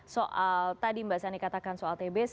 soal tadi mbak sani katakan soal tbs